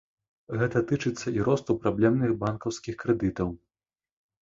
Гэта тычыцца і росту праблемных банкаўскіх крэдытаў.